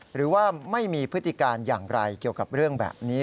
หรือว่าไม่มีพฤติการอย่างไรเกี่ยวกับเรื่องแบบนี้